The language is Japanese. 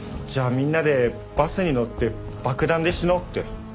みんなでバスに乗って爆弾で死のうって。